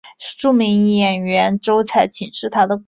著名演员周采芹是她的姑姑。